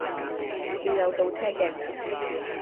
要有倒車鏡頭